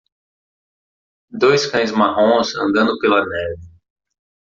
Dois cães marrons andando pela neve.